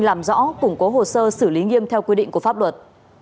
làm rõ củng cố hồ sơ xử lý nghiêm theo quy định của pháp luật